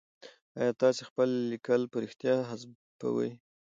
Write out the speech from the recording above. آيا تاسي خپل ليکل په رښتيا حذفوئ ؟